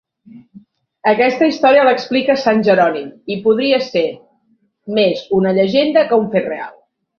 Aquesta història l'explica Sant Jerònim i podria ser més una llegenda que un fet real.